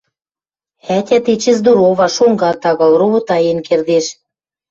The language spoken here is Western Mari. Ӓтят эче здорова, шонгат агыл, ровотаен кердеш.